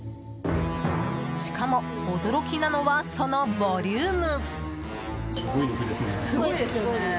しかも、驚きなのはそのボリューム。